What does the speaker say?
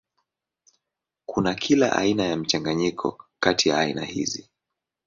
Kuna kila aina ya mchanganyiko kati ya aina hizi.